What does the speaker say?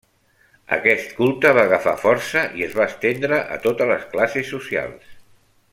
Aquest culte va agafar força i es va estendre a totes les classes socials.